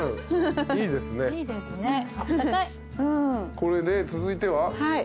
これで続いては？